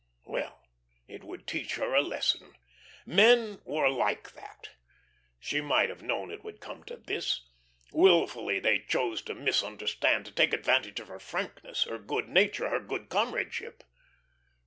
Ah, well, it would teach her a lesson. Men were like that. She might have known it would come to this. Wilfully they chose to misunderstand, to take advantage of her frankness, her good nature, her good comradeship.